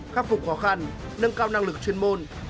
khắc phục khó khăn nâng cao năng lực chuyên môn